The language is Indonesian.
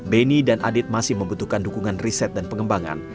beni dan adit masih membutuhkan dukungan riset dan pengembangan